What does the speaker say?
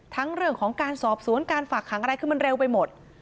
ทั้งเรื่องของการสอบสวนการฝากขังอะไรคือมันเร็วไปหมด